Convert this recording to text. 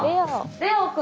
レオ君。